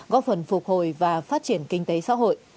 góp phần phục hồi và phát triển kinh tế xã hội